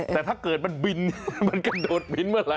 แต่ถ้าเกิดมันบินมันกระโดดบินเมื่อไห